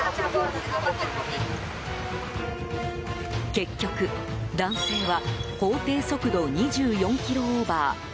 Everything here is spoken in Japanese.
結局、男性は法定速度２４キロオーバー。